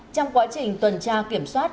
trong quá trình tuần tra kiểm soát